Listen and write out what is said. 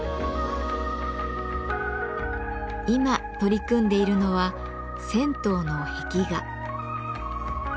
今取り組んでいるのは銭湯の壁画。